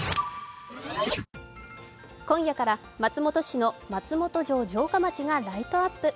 今夜から松本城城下町がライトアップ。